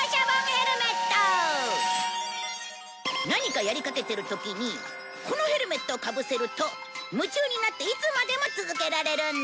何かやりかけてる時にこのヘルメットをかぶせると夢中になっていつまでも続けられるんだ。